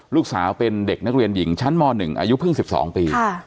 ลูกสาวเป็นเด็กนักเรียนหญิงชั้นม๑อายุเพิ่ง๑๒ปี